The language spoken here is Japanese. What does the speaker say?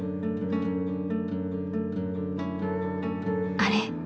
あれ？